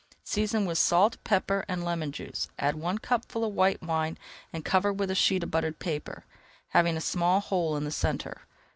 Season with salt, pepper, and lemon juice, add one cupful of white wine and cover with a sheet of buttered paper, having a small hole in the centre.